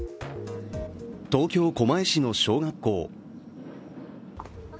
東京・狛江市の小学校。